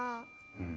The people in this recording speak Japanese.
うん。